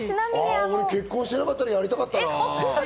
結婚してなかったらやりたかったな。